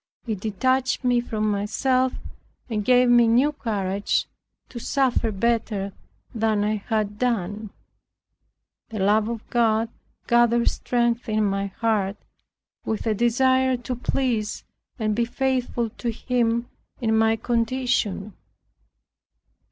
It detached me from myself and gave me new courage to suffer better than I had done. The love of God gathered strength in my heart, with a desire to please and be faithful to Him in my condition.